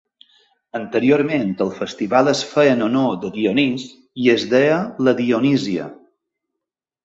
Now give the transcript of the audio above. Anteriorment el festival es feia en honor de Dionís i es deia la Dionísia.